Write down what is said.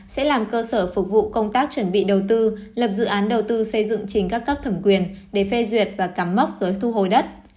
sẽ làm cơ sở phục vụ công tác chuẩn bị đầu tư lập dự án đầu tư xây dựng trình các cấp thẩm quyền để phê duyệt và cắm mốc giới thu hồi đất